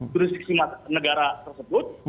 jurisdiksi negara tersebut